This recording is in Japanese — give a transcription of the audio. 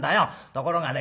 ところがね